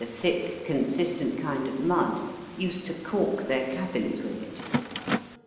79 a thick consistent kind of mud, used to caulk their cabins with it.